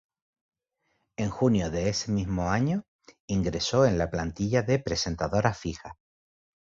En junio de ese mismo año, ingresó en la plantilla de presentadoras fijas.